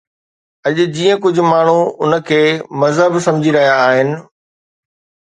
اڄ جيئن ڪجهه ماڻهو ان کي مذهب سمجهي رهيا آهن